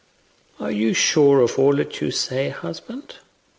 "Are you sure of all you say, husband?"